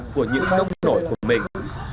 của những thông nổi của mình